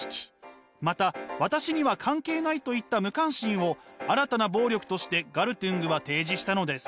また私には関係ないといった無関心を新たな暴力としてガルトゥングは提示したのです。